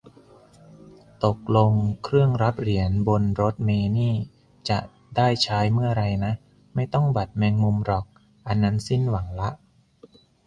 ตกลง เครื่องรับเหรียญบนรถเมล์นี่จะได้ใช้เมื่อไรนะ ไม่ต้องบัตรแมงมุมหรอก อันนั้นสิ้นหวังละ